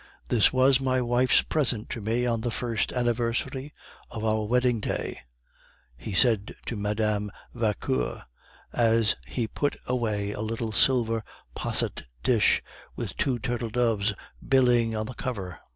"This was my wife's present to me on the first anniversary of our wedding day," he said to Mme. Vauquer, as he put away a little silver posset dish, with two turtle doves billing on the cover.